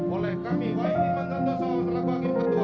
oleh kami waikiman tantoso selaku hakim ketua